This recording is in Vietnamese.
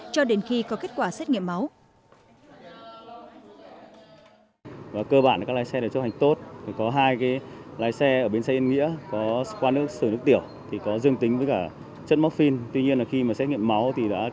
cho đến khi có kết quả xét nghiệm máu